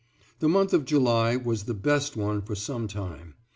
The month of July was the best one for sometime.